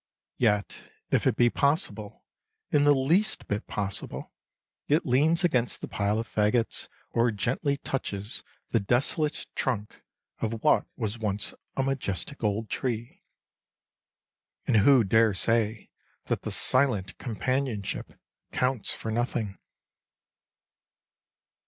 Yet if it be possible, in the least bit possible, it leans against the pile of faggots, or gently touches the desolate trunk of what was once a majestic old tree—and who dare say that the silent companionship counts for nothing?